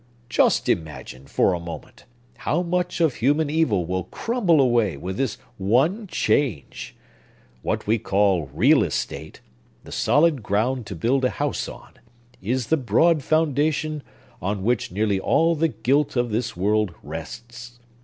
Just imagine, for a moment, how much of human evil will crumble away, with this one change! What we call real estate—the solid ground to build a house on—is the broad foundation on which nearly all the guilt of this world rests.